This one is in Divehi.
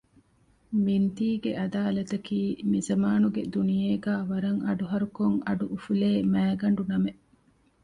މިންތީގެ އަދާލަތަކީ މިޒަމާނުގެ ދުނިޔޭގައި ވަރަށް އަޑުހަރުކޮށް އަޑުއުފުލޭ މައިގަނޑުނަމެއް